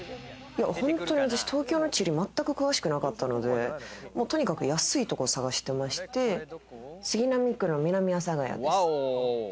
私、東京の地理、全く詳しくなかったので、とにかく安いところ探してまして、杉並区の南阿佐ヶ谷です。